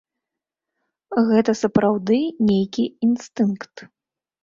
Гэта сапраўды нейкі інстынкт.